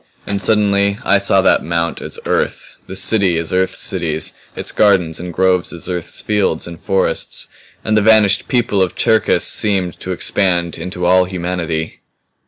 And suddenly I saw that mount as Earth the city as Earth's cities its gardens and groves as Earth's fields and forests and the vanished people of Cherkis seemed to expand into all humanity.